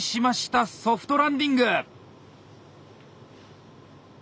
ソフトランディング。